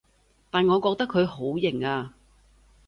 但我覺得佢好型啊